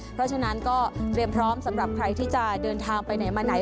เพราะฉะนั้นก็เตรียมพร้อมสำหรับใครที่จะเดินทางไปไหนมาไหน